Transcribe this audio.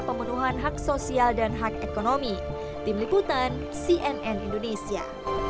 pemenuhan hak sosial dan hak ekonomi tim liputan cnn indonesia